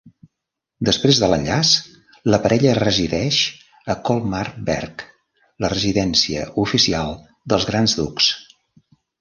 Després de l'enllaç, la parella resideix a Colmar-Berg, la residència oficial dels Grans Ducs.